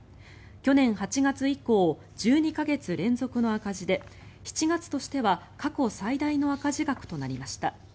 去年８月以降１２か月連続の赤字で７月としては過去最大の赤字額となりました。